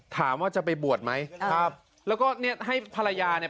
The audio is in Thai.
ถามว่าจะไปบวชไหมครับแล้วก็เนี่ยให้ภรรยาเนี่ย